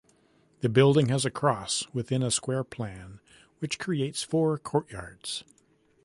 The building has a cross within a square plan, which creates four courtyards.